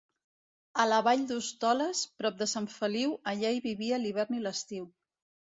A la vall d'Hostoles, prop de Sant Feliu, allà hi vivia l'hivern i l'estiu.